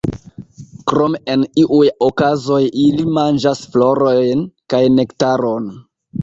Krome en iuj okazoj ili manĝas florojn kaj nektaron.